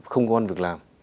không có ăn việc làm